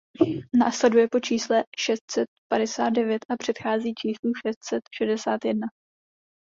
Následuje po čísle šest set padesát devět a předchází číslu šest set šedesát jedna.